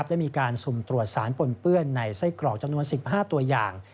ได้มีการสุ่มตรวจสารปนเปื้อนในไส้กรอกจำนวน๑๕ตัวอย่าง